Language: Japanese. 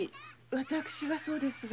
私がそうですが？